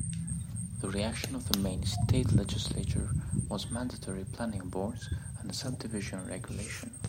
The reaction of the Maine State Legislature was mandatory Planning Boards, and subdivision regulation.